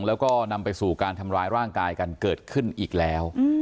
แล้วก็นำไปสู่การทำร้ายร่างกายกันเกิดขึ้นอีกแล้ว